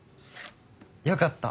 よかった。